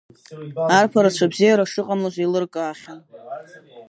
Арԥарацәа бзиара шыҟамлоз еилыркаахьан.